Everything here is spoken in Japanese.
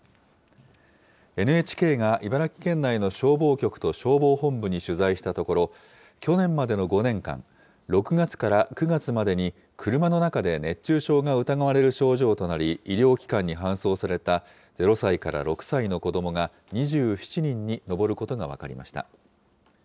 ＮＨＫが茨城県内の消防局と消防本部に取材したところ、去年までの５年間、６月から９月までに、車の中で熱中症が疑われる症状となり、医療機関に搬送された０歳から６歳の子どもが２７人に上ることが分かりました。